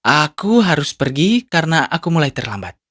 aku harus pergi karena aku mulai terlambat